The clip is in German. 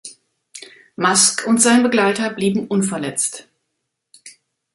Musk und sein Begleiter blieben unverletzt.